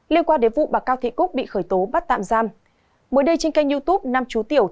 liên quan đến vụ bà cao thị cúc bị khởi tố bắt tạm giam